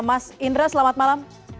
mas indra selamat malam